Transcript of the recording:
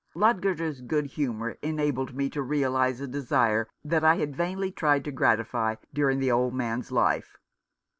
Ludgater's good humour enabled me to realize a desire that I had vainly tried to gratify during the old man's life.